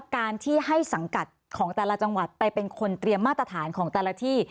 การที่ให้สังกัดของแต่ละจังหวัดไปเป็นคนเตรียมมาตรฐานของแต่ละที่